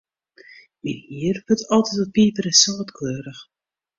Myn hier wurdt al wat piper-en-sâltkleurich.